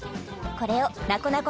これをな